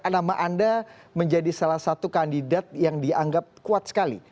nama anda menjadi salah satu kandidat yang dianggap kuat sekali